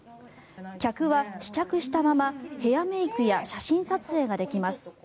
客は試着したままヘアメイクや写真撮影ができます。